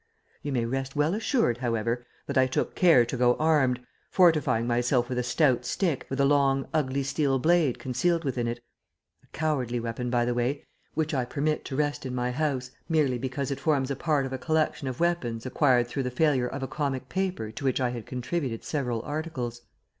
You may rest well assured, however, that I took care to go armed, fortifying myself with a stout stick, with a long, ugly steel blade concealed within it a cowardly weapon, by the way, which I permit to rest in my house merely because it forms a part of a collection of weapons acquired through the failure of a comic paper to which I had contributed several articles.